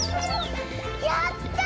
やった！